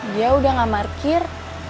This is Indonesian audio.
dia udah gak parkir